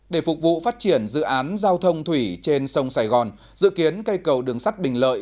để phục vụ phát triển dự án giao thông thủy trên sông sài gòn dự kiến cây cầu đường sắt bình lợi